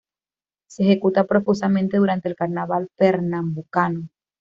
Se ejecuta profusamente durante el carnaval pernambucano.